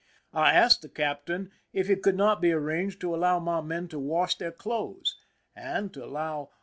I asked the captain if it could not be arranged to allow my men to wash their clothes, and to allow one of.